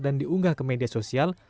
dan diunggah ke media sosial